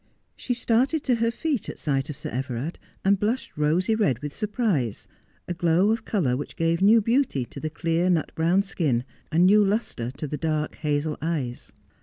She started to her feet at sight of Sir Everard, and blushed rosy red with surprise, a glow of colour which gave new beauty to the clear nut brown skin, and new lustre to the dark hazel eyes.